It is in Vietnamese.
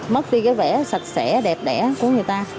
mất đi cái vẽ sạch sẽ đẹp đẻ của người ta